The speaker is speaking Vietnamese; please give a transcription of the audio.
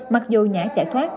mặc dù nhã chạy thoát